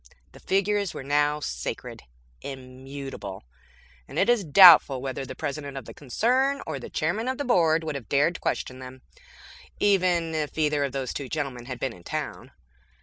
The figures were now sacred; immutable; and it is doubtful whether the President of the concern or the Chairman of the Board would have dared question them even if either of those two gentlemen had been in town.